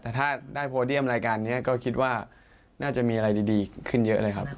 แต่ถ้าได้โพเดียมรายการนี้ก็คิดว่าน่าจะมีอะไรดีขึ้นเยอะเลยครับ